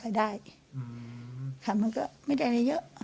ไม่ได้ค่ะมันก็ไม่ได้อะไรเยอะ